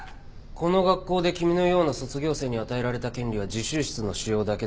この学校で君のような卒業生に与えられた権利は自習室の使用だけだ。